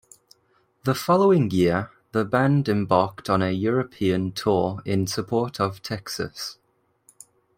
The following year the band embarked on a European tour in support of Texas.